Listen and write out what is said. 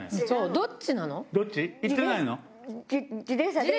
そう、どっちなの？